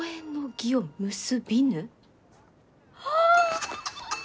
ああ！